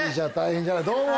どうも！